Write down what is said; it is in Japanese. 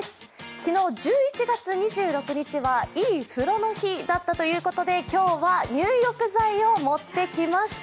昨日、１１月２６日はいい風呂の日だったということで今日は、入浴剤を持ってきました。